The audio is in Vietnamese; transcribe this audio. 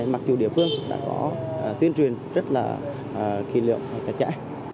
mặc dù địa phương đã có tuyên truyền rất là kỳ lượng và trẻ trẻ